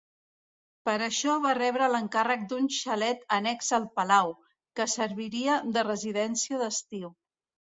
Per això va rebre l'encàrrec d'un xalet annex al palau, que serviria de residència d'estiu.